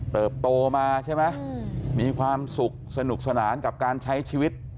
โตมาใช่ไหมมีความสุขสนุกสนานกับการใช้ชีวิต